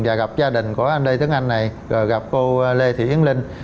và gặp gia đình của anh lê tấn anh này rồi gặp cô lê thị yến linh